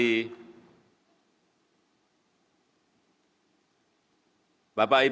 bapak ibu saudara saudara sebangsa dan setanah air